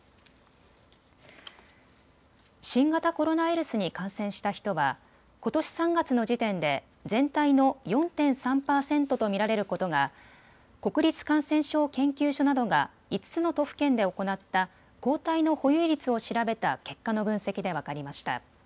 新型コロナウイルスに感染した人はことし３月の時点で全体の４．３％と見られることが国立感染症研究所などが５つの都府県で行った抗体の保有率を調べた結果の分析で分かりました。